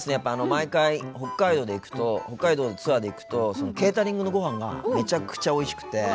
毎回、北海道にツアーで行くとケータリングのごはんがめちゃくちゃおいしくて。